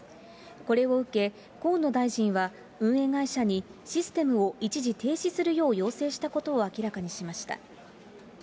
これを受け、河野大臣は運営会社にシステムを一時停止するよう要請したことを明らかにしました。